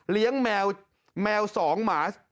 เลี้ยงแมว๒หมา